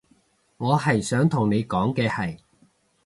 我係想同你講嘅係